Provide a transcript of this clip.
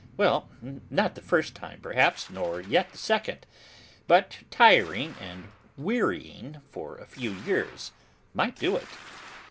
'Well, not the first time, perhaps, nor yet the second, but tiring and wearying for a few years might do it.